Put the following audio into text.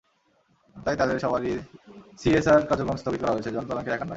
তাই তাদের সবারই সিএসআর কার্যক্রম স্থগিত করা হয়েছে, জনতা ব্যাংকের একার নয়।